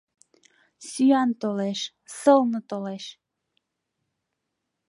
Сӱан толеш, сылне толеш